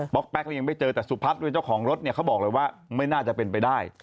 แก๊กยังไม่เจอแต่สุพัฒน์ด้วยเจ้าของรถเนี่ยเขาบอกเลยว่าไม่น่าจะเป็นไปได้